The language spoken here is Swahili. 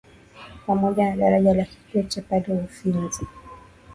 pamoja na daraja la Kikwete pale Uvinza